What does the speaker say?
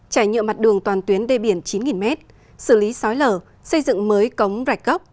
chảy nhựa mặt đường toàn tuyến đê biển chín mét xử lý sói lở xây dựng mới cống rạch góc